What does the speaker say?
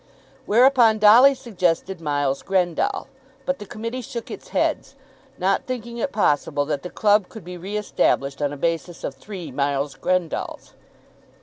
Whereupon Dolly suggested Miles Grendall. But the Committee shook its heads, not thinking it possible that the club could be re established on a basis of three Miles Grendalls.